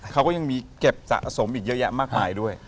เขาก็ยังมีเก็บสะสมอีกเยอะแยะมากมายด้วย